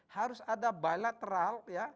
harus ada bilateral